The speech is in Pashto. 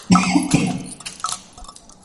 زه مځکي ته کتلې دي!.